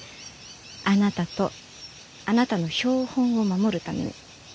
あなたとあなたの標本を守るために。